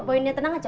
boinnya tenang aja